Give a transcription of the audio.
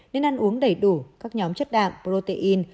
nên ăn uống đầy đủ các nhóm chất đạm protein